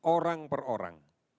orang per orang